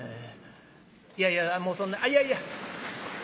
いやいやもうそんなあっいやいや。